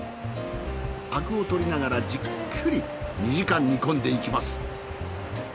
アクを取りながらじっくり２時間煮込んでいきます。